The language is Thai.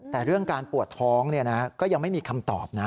แต่เรื่องการปวดท้องก็ยังไม่มีคำตอบนะ